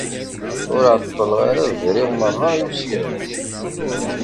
Ur ɛeṭṭleɣ ara briɣ merra i usirem.